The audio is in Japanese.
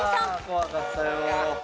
怖かったよ。